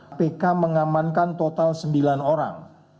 kpk mengamankan total sembilan orang